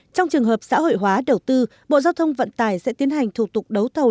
trong trường hợp xã hội hóa đầu tư bộ giao thông vận tải sẽ tiến hành thủ tục đấu thầu